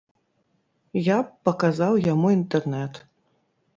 Я б паказаў яму інтэрнэт.